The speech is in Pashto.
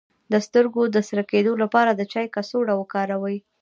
د سترګو د سره کیدو لپاره د چای کڅوړه وکاروئ